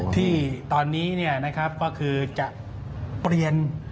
ที่ตอนนี้ก็คือจะเปลี่ยน